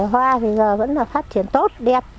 hoa bây giờ vẫn phát triển tốt đẹp